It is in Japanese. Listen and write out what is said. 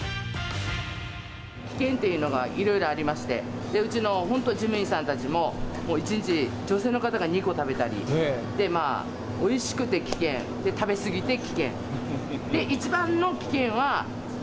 危険というのが、いろいろありまして、うちの本当、事務員さんたちも、１日、女性の方が２個食べたり、おいしくて危険、食べ過ぎて危険、で、え？